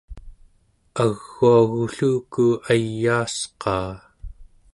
aguagulluku ayaasqaa